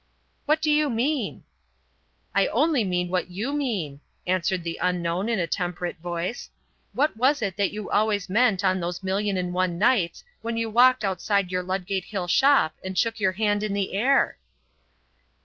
"What do you mean?" "I only mean what you mean," answered the unknown in a temperate voice. "What was it that you always meant on those million and one nights when you walked outside your Ludgate Hill shop and shook your hand in the air?"